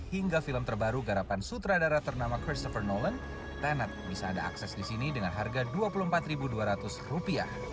hingga film terbaru garapan sutradara ternama christopher nolen tennet bisa anda akses di sini dengan harga rp dua puluh empat dua ratus